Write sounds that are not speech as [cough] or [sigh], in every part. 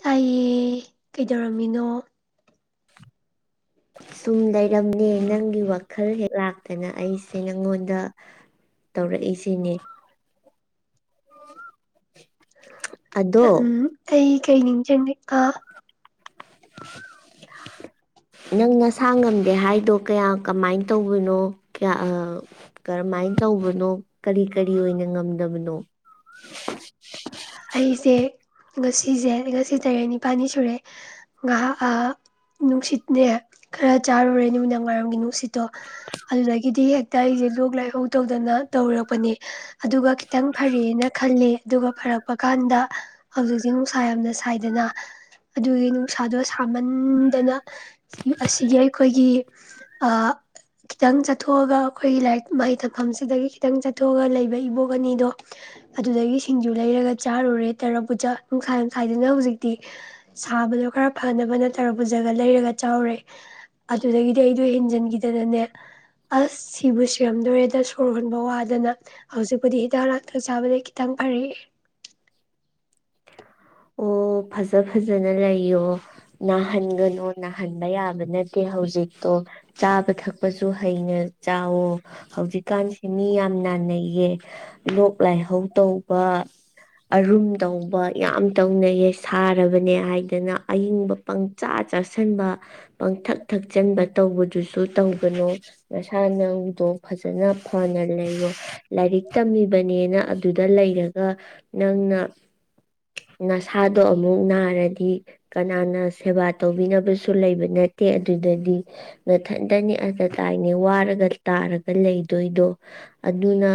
ꯇꯥꯏꯌꯦ ꯀꯩꯗꯧꯔꯝꯃꯤꯅꯣ ꯁꯨꯝ ꯂꯩꯔꯝꯅꯦ ꯅꯪꯒꯤ ꯋꯥꯈꯜ ꯍꯦꯛ ꯂꯥꯛꯇꯅ ꯑꯩꯁꯦ ꯅꯪꯉꯣꯟꯗ ꯇꯧꯔꯛꯏꯁꯤꯅꯦ ꯎꯝ ꯑꯗꯣ ꯑꯩꯩ ꯀꯩꯅꯤ ꯆꯅꯤ ꯀ ꯅꯪ ꯅꯁꯥ ꯉꯝꯗꯦ ꯍꯥꯏꯗꯣ ꯀꯌꯥ ꯀꯃꯥꯏꯅ ꯇꯧꯕꯅꯣ ꯀꯌꯥ ꯀꯔꯝꯍꯥꯏꯅ ꯇꯧꯕꯅꯣ ꯀꯔꯤ ꯀꯔꯤ ꯑꯣꯏꯅ ꯉꯝꯗꯕꯅꯣ ꯑꯩꯁꯦ ꯉꯁꯤꯁꯦ ꯉꯁꯤ ꯇꯔꯦꯠ ꯅꯤꯄꯥꯜꯅꯤ ꯁꯨꯔꯦ ꯉꯥꯏꯍꯥꯛ ꯅꯨꯡꯁꯤꯠꯅꯦ ꯈꯔ ꯆꯥꯔꯨꯔꯦ ꯅꯨꯃꯤꯗꯥꯡ ꯋꯥꯏꯔꯝꯒꯤ ꯅꯨꯡꯁꯤꯠꯇꯣ ꯑꯗꯨꯗꯒꯤꯗꯤ ꯍꯦꯛꯇ ꯑꯩꯁꯦ ꯂꯣꯛ ꯂꯥꯏꯍꯧ ꯇꯧꯗꯅ ꯇꯧꯔꯛꯄꯅꯦ ꯑꯗꯨꯒ ꯈꯤꯇꯪ ꯐꯔꯦꯅ ꯈꯜꯂꯦ ꯑꯗꯨꯒ ꯐꯔꯛ ꯄ ꯀꯥꯟꯗ ꯍꯧꯖꯤꯛꯁꯦ ꯅꯨꯡꯁꯥ ꯌꯥꯝꯅ ꯁꯥꯏꯗꯅ ꯑꯗꯨꯒꯤ ꯅꯨꯡꯁꯥꯗꯣ ꯁꯥꯃꯟꯗꯅ ꯑꯁꯤꯒꯤ ꯑꯩꯈꯣꯏꯒꯤ ꯈꯤꯇꯪ ꯆꯠꯊꯣꯛꯑꯒ ꯑꯩꯈꯣꯏꯒꯤ ꯂꯥꯏꯔꯤꯛ ꯃꯍꯩ ꯇꯛꯐꯝꯁꯤꯗꯒꯤ ꯈꯤꯇꯪ ꯆꯠꯊꯣꯛꯑꯒ ꯂꯩꯕ ꯏꯕꯣꯛ ꯑꯅꯤꯗꯣ ꯑꯗꯨꯗꯒꯤ ꯁꯤꯡꯖꯨ ꯂꯩꯔꯒ ꯆꯥꯔꯨꯔꯦ ꯇꯔ ꯄꯨꯖ ꯅꯨꯡꯁꯥꯏ ꯅꯨꯡꯁꯥꯏꯗꯨꯅ ꯍꯧꯖꯤꯛꯇꯤ ꯁꯥꯕꯗꯣ ꯈꯔ ꯐꯅꯕꯅ ꯇꯔ ꯄꯨꯖꯒ ꯂꯩꯔꯒ ꯆꯥꯔꯦ ꯑꯗꯨꯗꯒꯤꯗꯤ ꯑꯩꯗꯣ ꯍꯦꯟꯖꯤꯟꯈꯤꯗꯅꯅꯦ ꯑꯁ ꯁꯤꯕꯨ ꯁꯤꯔꯝꯗꯣꯔꯦꯗ ꯁꯣꯔ ꯍꯣꯟꯕ ꯋꯥꯗꯅ ꯍꯧꯖꯤꯛꯄꯨꯗꯤ ꯍꯤꯗꯥꯛ ꯂꯥꯡꯊꯛ ꯆꯥꯕꯗ ꯈꯤꯇꯪ ꯐꯔꯛꯑꯦ ꯑꯣ ꯐꯖ ꯐꯖꯅ ꯂꯩꯌꯣ ꯅꯥꯍꯟꯒꯅꯣ ꯅꯥꯍꯟꯕ ꯌꯥꯕ ꯅꯠꯇꯦ ꯍꯧꯖꯤꯛꯇꯣ ꯆꯥꯕ ꯊꯛꯄꯁꯨ ꯍꯩꯅ ꯆꯥꯋꯣ ꯍꯧꯖꯤꯛꯀꯥꯟꯁꯤꯦ ꯃꯤ ꯌꯥꯝ ꯅꯥꯟꯅꯩꯌꯦ ꯂꯣꯛ ꯂꯥꯏꯍꯧ ꯇꯧꯕ ꯑꯔꯨꯝ ꯇꯧ ꯌꯥꯝ ꯇꯧꯅꯩꯌꯦ ꯁꯥꯔꯕꯅꯦ ꯍꯥꯏꯗꯅ ꯑꯏꯤꯡꯕ ꯄꯪꯆꯥ ꯆꯥꯁꯤꯟꯕ ꯄꯪꯊꯛ ꯊꯛꯆꯟꯕ ꯇꯧꯕꯗꯨꯁꯨ ꯇꯧꯕꯅꯣ ꯅꯁꯥ ꯅꯪꯗꯣ ꯐꯖꯅ ꯐꯅ ꯂꯩꯌꯣ ꯂꯥꯏꯔꯤꯛ ꯇꯝꯃꯤꯕꯅꯦꯅ ꯑꯗꯨꯗ ꯂꯩꯔꯒ ꯅꯪꯅ ꯅꯁꯥꯗꯣ ꯑꯃꯨꯛ ꯅꯥꯔꯗꯤ ꯀꯅꯥꯅ ꯁꯦꯕꯥ ꯇꯧꯕꯤꯅꯕꯁꯨ ꯂꯩꯕ ꯅꯠꯇꯦ ꯑꯗꯨꯗꯗꯤ ꯃꯊꯟꯇꯅꯤ ꯑꯇꯇꯥꯏꯅꯦ ꯋꯥꯔꯒ ꯇꯥꯔꯒ ꯂꯩꯗꯣꯏꯗꯣ ꯑꯗꯨꯅ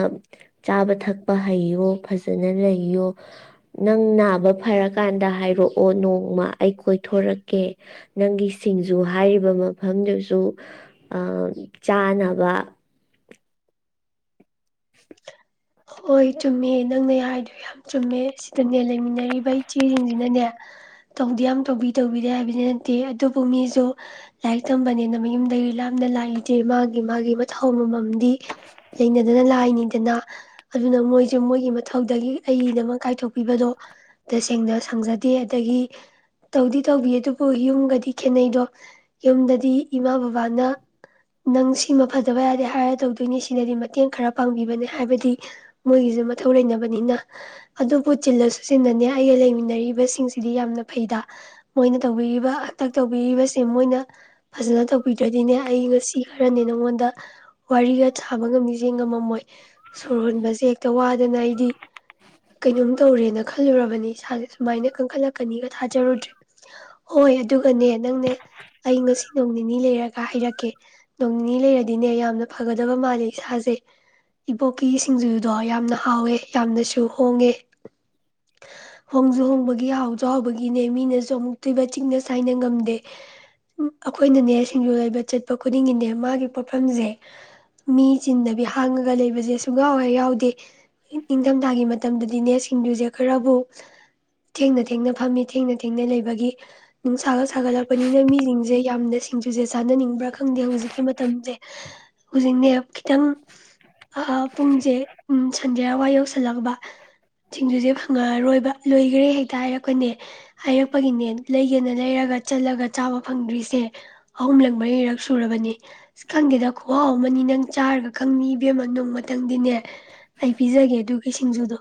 ꯆꯥꯕ ꯊꯛꯄ ꯍꯩꯌꯣ ꯐꯖꯅ ꯂꯩꯌꯣ ꯅꯪ ꯅꯥꯕ ꯐꯔꯀꯥꯟꯗ ꯍꯥꯏꯔꯛꯑꯣ ꯅꯣꯡꯃ ꯑꯩ ꯀꯣꯏꯊꯣꯔꯛꯀꯦ ꯅꯪꯒꯤ ꯁꯤꯡꯖꯨ ꯍꯥꯏꯔꯤꯕ ꯃꯐꯝꯗꯨꯁꯨ ꯆꯥꯅꯕ ꯍꯣꯏ ꯆꯨꯝꯃꯦ ꯅꯪꯅꯦ ꯍꯥꯏꯔꯗꯨ ꯌꯥꯝ ꯆꯨꯝꯃꯦ ꯁꯤꯗꯅꯦ ꯂꯩꯃꯤꯟꯅꯔꯤꯕ ꯏꯆꯦꯁꯤꯡꯁꯤꯅꯅꯦ ꯇꯧꯗꯤ ꯌꯥꯝ ꯇꯧꯕꯤ ꯇꯧꯕꯤꯗꯦ ꯍꯥꯏꯕꯗꯤ ꯅꯠꯇꯦ ꯑꯗꯨꯕꯨ ꯃꯤꯁꯨ ꯂꯥꯏꯔꯤꯛ ꯇꯝꯕꯅꯤꯅ ꯃꯌꯨꯝꯗꯒꯤ ꯂꯥꯞꯅ ꯂꯥꯛꯏꯗꯦ ꯃꯥꯒꯤ ꯃꯥꯒꯤ ꯃꯊꯧ ꯑꯃꯃꯝꯗꯤ ꯂꯩꯅꯗꯅ ꯂꯥꯏꯅꯤ ꯑ ꯑꯗꯨꯅ ꯃꯣꯏꯁꯨꯦ ꯃꯣꯏꯒꯤ ꯃꯊꯧꯗꯒꯤ ꯑꯏꯩꯅꯃꯛ ꯀꯥꯏꯊꯣꯛꯄꯤꯕꯗꯣ ꯇꯁꯦꯡꯅ ꯁꯪꯖꯗꯦ ꯑꯗꯒꯤ ꯇꯧꯗꯤ ꯇꯧꯕꯤ ꯑꯗꯨꯕꯨ ꯌꯨꯝꯒꯗꯤ ꯈꯦꯅꯩꯗꯣ ꯌꯨꯝꯗꯗꯤ ꯏꯃꯥ ꯕꯕꯥꯅ ꯅꯪ ꯁꯤꯃ ꯐꯗꯕ ꯌꯥꯗꯦ ꯍꯥꯏꯔ ꯇꯧꯗꯣꯏꯅꯤ ꯁꯤꯅꯗꯤ ꯃꯇꯦꯡ ꯈꯔ ꯄꯥꯡꯕꯤꯕꯅꯦ ꯍꯥꯏꯕꯗꯤ ꯃꯣꯏꯒꯤꯁꯨꯦ ꯃꯊꯧ ꯂꯩꯅꯕꯅꯤꯅ ꯑꯗꯨꯕꯨ ꯆꯤꯜꯂꯁꯨ ꯆꯤꯟꯅꯅꯤ ꯑꯩꯒ ꯂꯩꯃꯤꯟꯅꯔꯤꯕꯁꯤꯡꯁꯦ ꯁꯤꯗꯤ ꯌꯥꯝꯅ ꯐꯩꯗ ꯃꯣꯏꯅ ꯇꯧꯕꯤꯔꯤꯕ ꯍꯟꯇꯛ ꯇꯧꯕꯤꯔꯤꯕꯁꯦ ꯃꯣꯏꯅ ꯐꯖꯅ ꯇꯧꯕꯤꯗ꯭ꯔꯗꯤꯅꯦ ꯑꯩ ꯉꯁꯤ ꯈꯔꯅꯦ ꯅꯉꯣꯟꯗ ꯋꯥꯔꯤꯒ ꯁꯥꯕ ꯉꯝꯃꯤꯁꯦ ꯉꯝꯃꯝꯃꯣꯏ ꯁꯨꯔ ꯍꯣꯟꯕꯁꯦ ꯍꯦꯛꯇ ꯋꯥꯗꯅ ꯑꯩꯗꯤ ꯀꯩꯅꯣꯝ ꯇꯧꯔꯦꯅ ꯈꯜꯂꯨꯔꯕꯅꯦ ꯏꯁꯥꯁꯦ ꯁꯨꯃꯥꯏꯅ ꯀꯟꯈꯠꯂꯛꯀꯅꯤꯒ ꯊꯥꯖꯔꯨꯗ꯭ꯔꯦ ꯍꯣꯏ ꯑꯗꯨꯒꯅꯦ ꯅꯪꯅꯦ ꯑꯩ ꯉꯁꯤ ꯅꯣꯡ ꯅꯤꯅꯤ ꯂꯩꯔꯒ ꯍꯥꯏꯔꯛꯀꯦ ꯅꯣꯡ ꯅꯤꯅꯤ ꯂꯩꯔꯗꯤꯅꯦ ꯌꯥꯝꯅ ꯐꯒꯗꯕ ꯃꯥꯜꯂꯦ ꯏꯁꯥꯁꯦ ꯄꯣꯛꯀꯤ ꯁꯤꯡꯖꯨꯗꯣ ꯌꯥꯝꯅ ꯍꯥꯎꯋꯦ ꯌꯥꯝꯅꯁꯨ ꯍꯣꯡꯉꯦ ꯍꯣꯡꯁꯨꯨ ꯍꯣꯡꯕꯒꯤ ꯍꯥꯎꯁꯨ ꯍꯥꯎꯕꯒꯤꯅꯦ ꯃꯤꯅꯁꯨ ꯑꯃꯨꯛꯇꯨꯕ ꯆꯤꯛꯅ ꯁꯥꯏꯅ ꯉꯝꯗꯦ ꯑꯩꯈꯣꯏꯅꯅꯦ ꯁꯤꯡꯖꯨ ꯂꯩꯕ ꯆꯠꯄ ꯈꯨꯗꯤꯡꯒꯤꯅꯦ ꯃꯥꯒꯤ ꯄꯣꯠꯐꯝꯁꯦ ꯃꯤ ꯆꯤꯟꯗꯕꯤ ꯍꯥꯡꯉꯒ ꯂꯩꯕꯁꯦ ꯑꯁꯨ ꯌꯥꯥꯎꯋꯦ ꯌꯥꯎꯗꯦ ꯅꯤꯡꯊꯝꯊꯥꯒꯤ ꯃꯇꯝꯗꯗꯤ ꯅꯦꯠ ꯁꯤꯡꯗꯨꯁꯦ ꯈꯔꯕꯨ ꯊꯦꯡꯅ ꯊꯦꯡꯅ ꯐꯝꯃꯤ ꯊꯦꯡꯅ ꯊꯦꯡꯅ ꯂꯩꯕꯒꯤ ꯅꯨꯡꯁꯥꯒꯠ ꯁꯥꯒꯠꯂꯛꯄꯅꯤꯅ ꯃꯤꯁꯤꯡꯁꯦ ꯌꯥꯝꯅ ꯁꯤꯡꯖꯨꯁꯦ ꯆꯥꯅꯅꯤꯡꯕ꯭ꯔꯥ ꯈꯪꯗꯦ ꯍꯧꯖꯤꯛꯀꯤ ꯃꯇꯝꯁꯦ ꯍꯧꯖꯤꯛꯅꯦ ꯈꯤꯇꯪ ꯑ ꯁꯟꯖꯦꯔ ꯍꯋꯥꯏ ꯌꯧꯁꯜꯂꯛꯕ ꯁꯤꯡꯖꯨꯁꯦ ꯐꯪꯉꯛꯑꯔꯣꯏꯕ ꯂꯣꯏꯈꯔꯦ ꯍꯦꯛꯇ ꯍꯥꯏꯔꯛꯄꯅꯦ ꯍꯥꯏꯔꯛꯄꯒꯤꯅꯦ ꯂꯩꯒꯦꯅ ꯂꯩꯔꯒ ꯆꯠꯂꯒ ꯆꯥꯕ ꯐꯪꯗ꯭ꯔꯤꯁꯦ ꯑꯍꯨꯝꯂꯛ ꯃꯩꯔꯛꯁꯨ ꯁꯨꯔꯕꯅꯤ ꯑ ꯈꯪꯗꯦꯗ ꯈꯨꯍꯥꯎ ꯑꯃꯅꯤ ꯅꯪ ꯆꯥꯔꯒ ꯈꯪ ꯕꯃ ꯅꯣꯡꯃꯗ ꯈꯤꯇꯪꯗꯤꯅꯦ ꯑꯩ ꯄꯤꯖꯒꯦ ꯑꯗꯨ ꯀꯩ ꯁꯤꯡꯖꯨꯗꯣ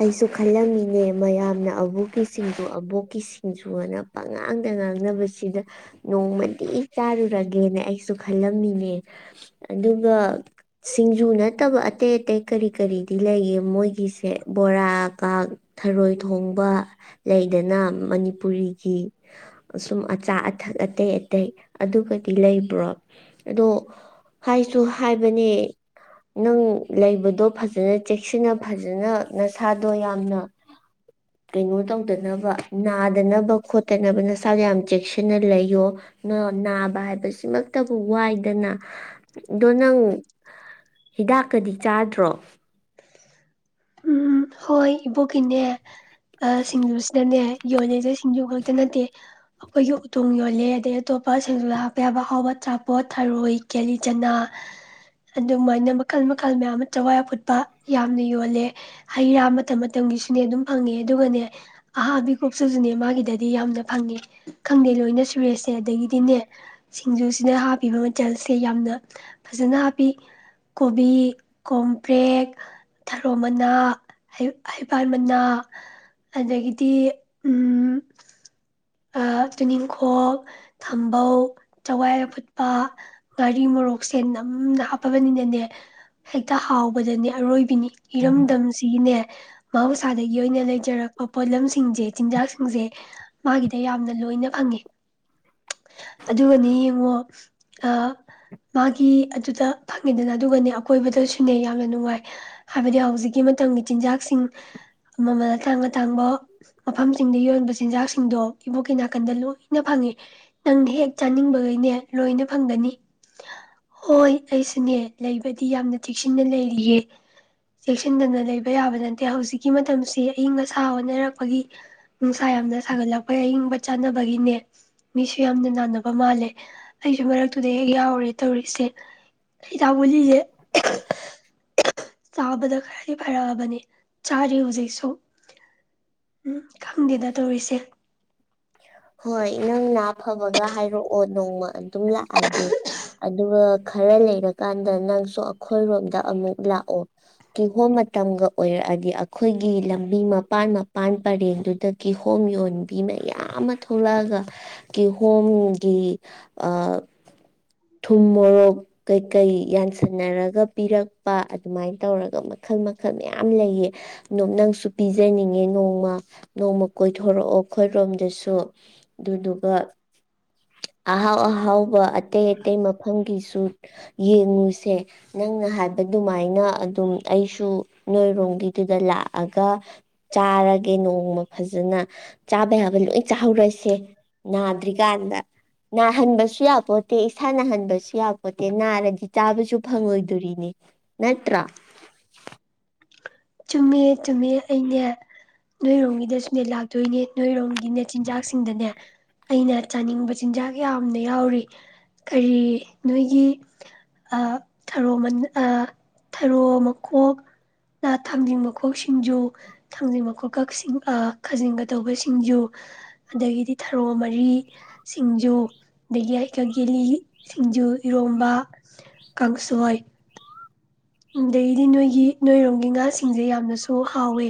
ꯑꯩꯁꯨ ꯈꯜꯂꯝꯃꯤꯅꯦ ꯃꯌꯥꯝꯅ ꯑꯕꯣꯛꯀꯤ ꯁꯤꯡꯖꯨ ꯑꯕꯣꯛꯀꯤ ꯁꯤꯡꯖꯨ ꯑꯅ ꯄꯉꯥꯡꯗ ꯉꯥꯡꯅꯕꯁꯤꯗ ꯅꯣꯡꯃꯗꯤ ꯆꯥꯔꯨꯔꯒꯦꯅ ꯑꯩꯁꯨ ꯈꯜꯂꯝꯃꯤꯅꯦ ꯑꯗꯨꯒ ꯁꯤꯡꯖꯨ ꯅꯠꯇꯕ ꯑꯇꯩ ꯑꯇꯩ ꯀꯔꯤ ꯀꯔꯤꯗꯤ ꯂꯩꯒꯦ ꯃꯣꯏꯒꯤ ꯁꯦ ꯕꯣꯔꯥ ꯀ ꯊꯔꯣꯏ ꯊꯣꯡꯕ ꯂꯩꯗꯅ ꯃꯅꯤꯄꯨꯔꯤꯒꯤ ꯁꯁꯨꯝ ꯑꯆꯥ ꯑꯊꯛ ꯑꯇꯩ ꯑꯇꯩ ꯑꯗꯨꯒꯗꯤ ꯂꯩꯕ꯭ꯔꯣ ꯑꯗꯣ ꯍꯥꯏꯁꯨ ꯍꯥꯏꯕꯅꯦ ꯅꯪ ꯂꯩꯕꯗꯣ ꯐꯖꯅ ꯆꯦꯛꯁꯤꯟꯅ ꯐꯖ ꯑꯗꯨꯅ ꯅꯁꯥꯗꯣ ꯌꯥꯝꯅ ꯀꯩꯅꯣ ꯇꯧꯗꯅꯕ ꯅꯥꯗꯅꯕ ꯈꯣꯠꯇꯅꯕ ꯅꯁꯥꯗꯣ ꯌꯥꯝ ꯆꯦꯛꯁꯤꯟꯅ ꯂꯩꯌꯣ ꯅꯥꯕ ꯍꯥꯏꯕꯁꯤꯃꯛꯇꯕꯨ ꯋꯥꯏꯗꯅ ꯑꯗꯣ ꯅꯪ ꯍꯤꯗꯥꯛꯀꯗꯤ ꯆꯥꯗ꯭ꯔꯣ ꯎꯝ ꯍꯣꯏ ꯏꯕꯣ ꯀꯅꯦ ꯑ ꯁꯤꯡꯖꯁꯤꯅꯅꯦꯦ ꯌꯣꯂꯦꯁꯦ ꯁꯤꯡꯖꯨ ꯈꯛꯇ ꯅꯠꯇꯦ ꯑꯩꯈꯣꯏꯒꯤ ꯎꯇꯣꯡ ꯌꯣꯜꯂꯦ ꯑꯗꯩ ꯑꯇꯣꯞꯄ ꯁꯤꯡꯖꯨꯗ ꯍꯥꯞꯄ ꯌꯥꯕ ꯑꯥꯎꯕ ꯑꯆꯥꯄꯣꯠ ꯊꯔꯣꯏ ꯀꯦꯂꯤ ꯆꯅꯥ ꯑꯗꯨꯃꯥꯏꯅ ꯃꯈꯜ ꯃꯈꯜ ꯃꯌꯥꯝ ꯑꯃ ꯆꯋꯥꯏ ꯑꯐꯨꯠꯄ ꯌꯥꯝꯅ ꯌꯣꯜꯂꯦ ꯍꯩ ꯔꯥ ꯃꯇꯝ ꯃꯇꯝꯒꯤꯁꯨꯅꯦ ꯑꯗꯨꯝ ꯐꯪꯉꯦ ꯑꯗꯨꯒꯅꯦ ꯑꯍꯥꯕꯤꯀꯨꯞꯇꯁꯨꯅꯦ ꯃꯥꯒꯤꯗꯗꯤ ꯌꯥꯝꯅ ꯐꯪꯉꯦ ꯈꯪꯗꯦ ꯂꯣꯏꯅ ꯁꯨꯔꯦꯁꯁꯦ ꯑꯗꯒꯤꯗꯤꯅꯦ ꯁꯤꯡꯖꯨꯁꯤꯅ ꯍꯥꯞꯄꯤꯕ ꯃꯆꯜꯁꯦ ꯌꯥꯝꯅ ꯐꯖꯅ ꯍꯥꯞꯄꯤ ꯀꯣꯕꯤ ꯀꯣꯝꯄ꯭ꯔꯦꯛ ꯊꯔꯣ ꯃꯅꯥ ꯍꯩꯕꯥꯜ ꯃꯅꯥ ꯑꯗꯒꯤꯗꯤ ꯎꯝ ꯆꯨꯅꯤꯡꯈꯣꯛ ꯊꯝꯕꯧ ꯆꯋꯥꯏ ꯑꯐꯨꯠꯄ ꯉꯥꯔꯤ ꯃꯣꯔꯣꯛꯁꯦꯟ ꯑꯃꯅ ꯍꯥꯞꯄꯕꯅꯤꯅꯅꯦ ꯍꯦꯛꯇ ꯍꯥꯎꯕꯗꯅꯦ ꯑꯔꯣꯏꯕꯤꯅꯤ ꯏꯔꯝꯗꯝꯁꯤꯅꯦ ꯃꯍꯧꯁꯥꯗꯒꯤ ꯑꯣꯏꯅ ꯂꯩꯖꯔꯛꯄ ꯄꯣꯠꯂꯝꯁꯤꯡꯁꯦ ꯆꯤꯟꯖꯥꯛꯁꯤꯡꯁꯦ ꯃꯥꯒꯤꯗ ꯌꯥꯝꯅ ꯂꯣꯏꯅ ꯐꯪꯉꯤ ꯑꯗꯨꯒꯅꯤ ꯌꯦꯡꯉꯣ ꯃꯥꯒꯤ ꯑꯗꯨꯗ ꯐꯪꯉꯤꯗꯅ ꯑꯗꯨꯒꯅꯤ ꯑꯀꯣꯏꯕꯗꯁꯨꯅꯦ ꯌꯥꯝꯅ ꯅꯨꯡꯉꯥꯏ ꯍꯥꯏꯕꯗꯤ ꯍꯧꯖꯤꯛꯀꯤ ꯃꯇꯝꯒꯤ ꯆꯤꯟꯖꯥꯛꯁꯤꯡ ꯃꯃꯜ ꯑꯇꯥꯡ ꯑꯇꯥꯡꯕ ꯃꯐꯝꯁꯤꯡꯗ ꯌꯣꯟꯕ ꯆꯤꯟꯖꯥꯛꯁꯤꯡ ꯁꯤꯡꯗꯣ ꯏꯕꯣꯛꯀꯤ ꯅꯥꯀꯟꯗ ꯂꯣꯏꯅ ꯐꯪꯉꯦ ꯅꯪꯅ ꯍꯦꯛ ꯆꯥꯅꯤꯡꯕꯈꯩꯅꯦ ꯂꯣꯏꯅ ꯐꯪꯒꯅꯤ ꯍꯣꯏ ꯑꯩꯁꯨꯅꯦ ꯂꯩꯕꯗꯤ ꯌꯥꯝꯅ ꯊꯦꯛꯁꯤꯟꯅ ꯂꯩꯔꯤꯌꯦ ꯆꯦꯛꯁꯤꯟꯗꯅ ꯂꯩꯕ ꯌꯥꯕ ꯅꯠꯇꯦ ꯍꯧꯖꯤꯛ ꯒꯤ ꯃꯇꯝꯁꯦ ꯑꯏꯪ ꯑꯁꯥ ꯑꯣꯟꯅꯔꯛꯄꯒꯤ ꯅꯨꯡꯁꯥ ꯌꯥꯝꯅ ꯑꯩꯈꯣꯏ ꯑꯏꯪꯕ ꯆꯥꯅꯕꯒꯤꯅꯦ ꯃꯤꯁꯨ ꯌꯥꯝꯅ ꯅꯥꯅꯕ ꯃꯥꯜꯂꯦ ꯑꯩꯁꯨ ꯃꯔꯛꯇꯨꯗ ꯍꯦꯛ ꯌꯥꯎꯔꯦ ꯇꯧꯔꯤꯁꯦ ꯍꯗꯥꯛ ꯒꯨꯂꯤꯁꯦ ꯆꯥꯕꯗ ꯈꯔꯗꯤ ꯐꯔꯛꯑꯕꯅꯦ ꯆꯥꯔꯤ ꯍꯧꯖꯤꯛꯁꯨ ꯎꯝ ꯈꯪꯗꯦꯗ ꯇꯧꯔꯤꯁꯦ [unintelligible] ꯍꯣꯏ ꯅꯪ ꯅꯥ ꯐꯕꯒ ꯍꯥꯏꯔꯛꯑꯣ ꯅꯣꯡꯃ ꯑꯗꯨꯝ ꯂꯥꯛꯑꯒꯦ ꯑꯗꯨꯒ ꯈꯔ ꯂꯩꯔꯀꯥꯟꯗ ꯅꯪꯁꯨ ꯑꯩꯈꯣꯏꯔꯣꯝꯗ ꯑꯃꯨꯛ ꯂꯥꯛꯑꯣ ꯀꯤꯍꯣꯝ ꯃꯇꯝꯒ ꯑꯣꯏꯔꯛꯑꯗꯤ ꯑꯩꯈꯣꯏꯒꯤ ꯂꯝꯕꯤ ꯃꯄꯥꯟ ꯃꯄꯥꯟ ꯄꯔꯦꯡꯗꯨꯗ ꯀꯤꯍꯣꯝ ꯌꯣꯟꯕꯤ ꯃꯌꯥꯝ ꯑꯃ ꯊꯣꯛꯂꯛꯑꯒ ꯀꯤ ꯍꯣꯝꯒꯤ ꯊꯨꯝ ꯃꯣꯔꯣꯛ ꯀꯩꯀꯩ ꯌꯥꯟꯁꯟꯅꯔꯒ ꯄꯤꯔꯛꯄ ꯑꯗꯨꯃꯥꯏꯅ ꯇꯧꯔꯒ ꯃꯈꯜ ꯃꯈꯜ ꯃꯌꯥꯝ ꯂꯩꯌꯦ ꯑꯣꯝ ꯅꯪꯁꯨ ꯄꯤꯖꯅꯤꯡꯉꯦ ꯅꯣꯡꯃ ꯅꯣꯡꯃ ꯀꯣꯏꯊꯣꯔꯛꯑꯣ ꯑꯈꯣꯏꯔꯣꯝꯗꯁꯨ ꯑꯗꯨꯗꯨꯒ ꯑꯍꯥꯎ ꯑꯍꯥꯎꯕ ꯑꯇꯩ ꯑꯇꯩ ꯃꯐꯝꯒꯤꯁꯨ ꯌꯦꯡꯉꯨꯁꯦ ꯅꯪꯅ ꯍꯥꯏꯕ ꯑꯗꯨꯃꯥꯏꯅ ꯑꯗꯨꯝ ꯑꯩꯁꯨ ꯅꯣꯏꯔꯣꯝꯒꯤꯗꯨꯗ ꯂꯥꯛꯑꯒ ꯆꯥꯔꯒꯦ ꯅꯣꯡꯃ ꯐꯖꯅ ꯆꯥꯕ ꯌꯥꯕ ꯂꯣꯏ ꯆꯥꯍꯧꯔ ꯁꯦ ꯅꯥꯗ꯭ꯔꯤꯀꯥꯟꯗ ꯅꯥꯍꯟꯕꯁꯨ ꯌꯥꯄꯣꯠꯇꯦ ꯏꯁꯥ ꯅꯥꯍꯟꯕꯁꯨ ꯌꯥꯄꯣꯠꯇꯦ ꯅꯥꯔꯗꯤ ꯆꯥꯕꯁꯨ ꯐꯪꯉꯣꯏꯗꯣꯔꯤꯅꯦ ꯅꯠꯇ꯭ꯔꯥ ꯆꯨꯝꯃꯦ ꯆꯨꯝꯃꯦ ꯑꯩꯅꯦ ꯅꯣꯏꯔꯣꯝꯒꯤꯗꯁꯨꯅꯦ ꯂꯥꯛꯇꯣꯏꯅꯦ ꯅꯣꯏꯔꯣꯝꯒꯤꯅꯦ ꯆꯤꯟꯖꯥꯛꯁꯤꯡꯗꯅꯦ ꯑꯩꯅ ꯆꯥꯅꯤꯡꯕ ꯆꯤꯟꯖꯥꯛ ꯌꯥꯝꯅ ꯌꯥꯎꯔꯤ ꯀꯔꯤ ꯅꯣꯏꯒꯤ ꯊꯔꯣ ꯊꯔꯣ ꯃꯈꯣꯛ ꯅ ꯊꯥꯡꯖꯤꯡ ꯃꯈꯣꯛ ꯁꯤꯡꯖꯨ ꯊꯥꯡꯖꯤꯡ ꯃꯈꯣꯛꯀ ꯈꯥꯖꯤꯡꯒ ꯇꯧꯕ ꯁꯤꯡꯖꯨ ꯑꯗꯒꯤꯗꯤ ꯊꯔꯣ ꯃꯔꯤ ꯁꯤꯡꯖꯨ ꯑꯗꯒꯤ ꯍꯩꯀꯛ ꯌꯦꯂꯤ ꯁꯤꯡꯖꯨ ꯏꯔꯣꯝꯕ ꯀꯥꯡꯁꯣꯏ ꯑꯗꯒꯤꯗꯤ ꯅꯣꯏꯒꯤ ꯅꯣꯏꯔꯣꯝꯒꯤ ꯉꯥꯁꯤꯡꯁꯦ ꯌꯥꯝꯅꯁꯨ ꯍꯥꯎꯋꯦ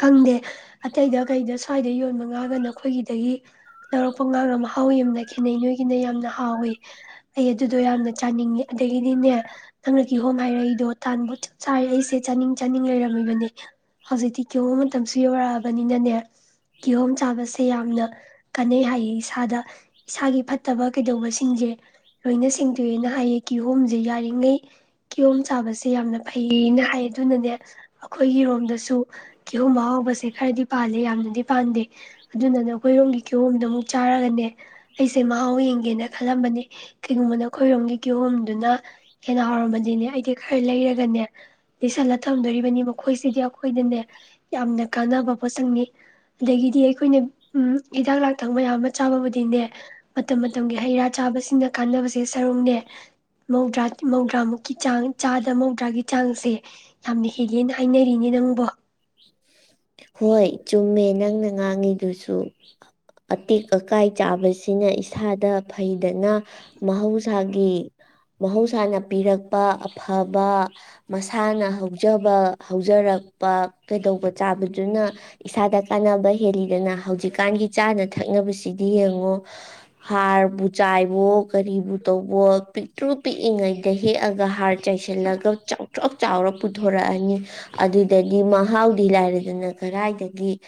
ꯈꯪꯗꯦ ꯑꯇꯩꯗ ꯀꯩꯗ ꯁ꯭ꯋꯥꯏꯗ ꯌꯣꯟꯕ ꯉꯥꯒ ꯅꯈꯣꯏꯒꯤꯗꯒꯤ ꯂꯧꯔꯛꯄ ꯉꯥꯒ ꯑꯃ ꯍꯥꯎꯋꯤ ꯑꯃꯅ ꯈꯦꯅꯩ ꯅꯣꯏꯒꯤꯅ ꯌꯥꯝꯅ ꯍꯥꯎꯏꯤ ꯑꯩ ꯑꯗꯨꯗꯣ ꯌꯥꯝꯅ ꯆꯥꯅꯤꯡꯉꯤ ꯑꯗꯒꯤꯗꯤꯅꯦ ꯅꯪꯅ ꯀꯤꯍꯣꯝ ꯍꯥꯏꯔꯛꯏꯗꯣ ꯇꯥꯟꯕꯨ ꯆꯥꯔ ꯑꯩꯁꯦ ꯆꯥꯅꯤꯡ ꯆꯥꯅꯤꯡ ꯂꯩꯔꯝꯃꯤꯕꯅꯦ ꯍꯧꯖꯤꯛꯇꯤ ꯀꯤꯍꯣꯝ ꯃꯇꯝꯁꯨ ꯌꯧꯔꯛꯑꯕꯅꯤꯅꯅꯦ ꯀꯤꯍꯣꯝ ꯆꯥꯕꯁꯦ ꯌꯥꯝꯅ ꯀꯥꯟꯅꯩ ꯍꯥꯏꯌꯦ ꯏꯁꯥꯗ ꯏꯁꯥꯒꯤ ꯐꯠꯇꯕ ꯀꯩꯗꯧꯕꯁꯤꯡꯁꯦ ꯂꯣꯏꯅ ꯁꯦꯡꯗꯣꯛꯑꯦꯅ ꯍꯥꯏꯌꯦ ꯀꯤꯍꯣꯝꯁꯦ ꯌꯥꯔꯤꯉꯩ ꯀꯤꯍꯣꯝ ꯆꯥꯕꯁꯦ ꯌꯥꯝꯅ ꯐꯩꯌꯦꯅ ꯍꯥꯏ ꯑꯗꯨꯅꯅꯦ ꯑꯩꯈꯣꯏꯒꯤꯔꯣꯝꯗꯁꯨ ꯀꯤꯍꯣꯝ ꯑꯍꯥꯎꯕꯁꯦ ꯈꯔꯗꯤ ꯄꯥꯜꯂꯤ ꯌꯥꯝꯅꯗꯤ ꯄꯥꯟꯗꯦ ꯑꯗꯨꯅꯅ ꯑꯩꯈꯣꯏꯔꯣꯝꯒꯤ ꯀꯤꯍꯣꯝꯗꯣ ꯑꯃꯨꯛ ꯆꯥꯔꯒꯅꯦ ꯑꯩꯁꯦ ꯃꯍꯥꯎ ꯌꯦꯡꯒꯦꯅ ꯈꯜꯂꯝꯕꯅꯤ ꯀꯩꯒꯨꯝꯕꯅ ꯑꯩꯈꯣꯏꯔꯣꯝꯒꯤ ꯀꯤꯍꯣꯝꯗꯨꯅ ꯍꯦꯟꯅ ꯍꯥꯎꯔꯝꯃꯗꯤꯅꯦ ꯑꯩꯗꯤ ꯈꯔ ꯂꯩꯔꯒꯅꯦ ꯂꯩꯁꯜꯂ ꯊꯝꯗꯣꯔꯤꯕꯅꯤ ꯃꯈꯣꯏꯁꯤꯗꯤ ꯑꯩꯈꯣꯏꯗꯅꯦ ꯌꯥꯝꯅ ꯀꯥꯟꯅꯕ ꯄꯣꯠꯁꯛꯅꯤ ꯑꯗꯒꯤꯗꯤ ꯑꯩꯈꯣꯏꯅ ꯎ ꯍꯤꯗꯥꯛ ꯂꯥꯡꯊꯛꯕ ꯌꯥ ꯑꯃ ꯆꯥꯕꯕꯨꯗꯤꯅꯦ ꯃꯇꯝ ꯃꯇꯝꯒꯤ ꯍꯩ ꯔꯥ ꯆꯥꯕꯁꯤꯡꯅ ꯀꯥꯟꯅꯕꯁꯦ ꯁꯔꯨꯛꯅꯦ ꯃꯧꯗ꯭ꯔꯥ ꯃꯧꯗ꯭ꯔꯥ ꯃꯨꯛꯀꯤ ꯆꯥꯡ ꯆꯥꯗ ꯃꯧꯗ꯭ꯔꯥꯒꯤ ꯆꯥꯡꯁꯦ ꯌꯥꯝꯅ ꯍꯦꯜꯜꯂꯤꯦꯅ ꯍꯥꯏꯅꯔꯤꯅꯦ ꯅꯪꯕꯣ ꯍꯣꯏ ꯆꯨꯝꯃꯦ ꯅꯪꯅ ꯉꯥꯡꯉꯤꯗꯨꯁꯨ ꯑꯇꯦꯛ ꯑꯀꯥꯏ ꯆꯥꯕꯁꯤꯅ ꯏꯁꯥꯗ ꯐꯩꯗꯅ ꯃꯍꯧꯁꯥꯒꯤ ꯃꯍꯧꯁꯥꯅ ꯄꯤꯔꯛꯄ ꯑꯐꯕ ꯃꯁꯥꯅ ꯍꯧꯖꯕ ꯍꯧꯖꯔꯛꯄ ꯀꯩꯗꯧꯕ ꯆꯥꯕꯗꯨꯅ ꯏꯁꯥꯗ ꯀꯥꯟꯅꯕ ꯍꯦꯜꯂꯤꯗꯅ ꯍꯧꯖꯤꯛꯀꯥꯟꯒꯤ ꯆꯥꯅ ꯊꯛꯅꯕꯁꯤꯗꯤ ꯌꯦꯡꯉꯣ ꯍꯥꯔꯕꯨ ꯆꯥꯏꯕꯣ ꯀꯔꯤꯕꯨ ꯇꯧꯕꯣ ꯄꯤꯛꯇ꯭ꯔꯨ ꯄꯤꯛꯏꯉꯩꯗ ꯍꯦꯛꯑꯒ ꯍꯥꯔ ꯆꯥꯏꯁꯤꯜꯂꯒ ꯆꯥꯎꯇ꯭ꯔꯥꯛ ꯆꯥꯎꯔ ꯄꯨꯊꯣꯔꯛꯑꯅꯤ ꯑꯗꯨꯗ ꯒꯤ ꯃꯍꯥꯎ ꯇꯤ ꯂꯥꯏꯔꯗꯅ ꯀꯗꯥꯏꯗꯒꯤ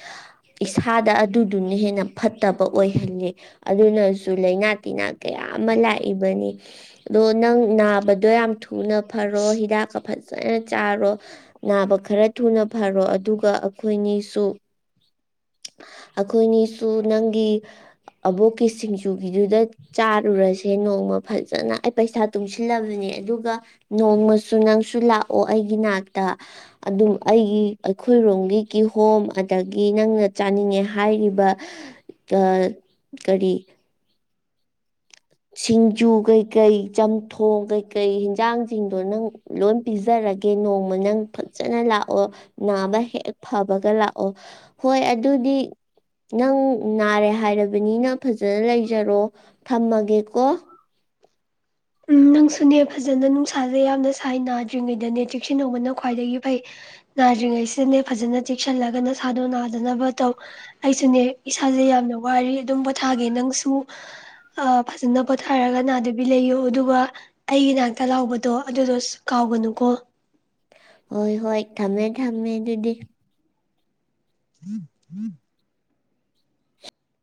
ꯏꯁꯥꯗ ꯑꯗꯨꯗꯨꯅ ꯍꯦꯟꯅ ꯐꯠꯇꯕ ꯑꯣꯏꯍꯜꯂꯤ ꯑꯗꯨꯅꯁꯨ ꯂꯩꯥꯏꯅꯥ ꯇꯤꯟꯅꯥ ꯀꯌꯥ ꯑꯃ ꯂꯥꯛꯏꯕꯅꯤ ꯑꯗꯣ ꯅꯪ ꯅꯥꯕꯗꯣ ꯌꯥꯝ ꯊꯨꯅ ꯐꯔꯣ ꯍꯤꯗꯥꯛꯀ ꯐꯖꯅ ꯆꯥꯔꯣ ꯅꯥꯕ ꯈꯔ ꯊꯨꯅ ꯐꯔꯣ ꯑꯗꯨꯒ ꯑꯈꯣꯏꯅꯤꯁꯨ ꯑꯈꯣꯏꯅꯤꯁꯨ ꯅꯪꯒꯤ ꯑꯕꯣꯛꯀꯤ ꯁꯤꯡꯖꯨꯒꯤꯗꯨꯗ ꯆꯥꯔꯨꯔꯁꯦ ꯅꯣꯡꯃ ꯐꯖꯅ ꯑꯩ ꯄꯩꯁꯥ ꯇꯨꯡꯁꯤꯜꯂꯕꯅꯦ ꯑꯗꯨꯒ ꯅꯣꯡꯃꯁꯨ ꯅꯪꯁꯨ ꯂꯥꯛꯑꯣ ꯑꯩꯒꯤ ꯅꯥꯛꯇ ꯑꯗꯨꯝ ꯑꯩꯒꯤ ꯑꯩꯈꯣꯏꯔꯣꯝꯒꯤ ꯀꯤ ꯍꯣꯝ ꯑꯗꯒꯤ ꯅꯪꯅ ꯆꯥꯅꯤꯡꯉꯦ ꯍꯥꯏꯔꯤꯕ ꯀꯔꯤ ꯁꯤꯡꯖꯨ ꯀꯩꯀꯩ ꯆꯝꯊꯣꯡ ꯀꯩꯀꯩ ꯍꯟꯖꯥꯡꯁꯤꯡꯗꯣ ꯅꯪ ꯂꯣꯏ ꯄꯤꯖꯔꯒꯦ ꯅꯣꯡꯃ ꯅꯪ ꯐꯖꯅ ꯂꯥꯛꯑꯣ ꯅꯥꯕ ꯍꯦꯛ ꯐꯕꯒ ꯂꯥꯛꯑꯣ ꯍꯣꯏ ꯑꯗꯨꯗꯤ ꯅꯪ ꯅꯥꯔꯦ ꯍꯥꯏꯔꯕꯅꯤꯅ ꯐꯖꯅ ꯂꯩꯖꯔꯣ ꯊꯝꯃꯒꯦ ꯀꯣ ꯎꯝ ꯅꯪꯁꯨꯅꯦ ꯐꯖꯅ ꯅꯨꯡꯁꯥꯁꯦ ꯌꯥꯝꯅ ꯁꯥꯏ ꯅꯥꯗ꯭ꯔꯤꯉꯩꯗꯅꯦ ꯆꯦꯛꯁꯤꯟꯅꯍꯧꯕꯅ ꯈ꯭ꯋꯥꯏꯗꯒꯤ ꯐꯩ ꯅꯥꯗ꯭ꯔꯤꯉꯩꯁꯤꯗꯅꯦ ꯐꯖꯅ ꯆꯦꯛꯁꯤꯜꯂꯒ ꯅꯁꯥꯗꯣ ꯅꯥꯗꯅꯕ ꯇꯧ ꯑꯩꯁꯨꯅꯦ ꯏꯁꯥꯁꯦ ꯌꯥꯝꯅ ꯋꯥꯔꯤ ꯑꯗꯨꯝ ꯄꯣꯊꯥꯒꯦ ꯅꯪꯁꯨ ꯐꯖꯅ ꯄꯣꯊꯥꯔꯒ ꯅꯥꯗꯕꯤ ꯂꯩꯌꯨ ꯑꯣ ꯑꯗꯨꯒ ꯑꯩꯒꯤ ꯅꯥꯛꯇ ꯂꯥꯛꯄꯗꯣ ꯑꯗꯨꯗꯣ ꯀꯥꯎꯒꯅꯨꯀꯣ ꯍꯣꯏ ꯍꯣꯏ ꯊꯝꯃꯦ ꯊꯝꯃꯦ ꯑꯗꯨꯗꯤ [inaudible]